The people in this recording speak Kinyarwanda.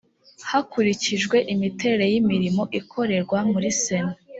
hakurikijwe imiterere y imirimo ikorerwa muri sena